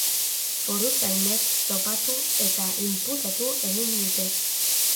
Foruzainek topatu eta inputatu egin dute.